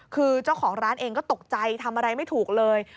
คือเจ้าของร้านเองก็ตกใจทำอะไรไม่ถูกเลย